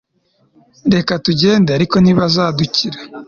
Reke tugende ariko ntibazadukira